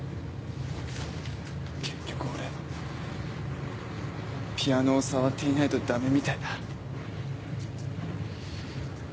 結局俺ピアノを触っていないとダメみたいだ。